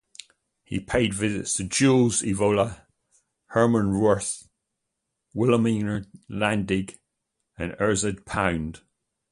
He paid visits to Julius Evola, Herman Wirth, Wilhelm Landig and Ezra Pound.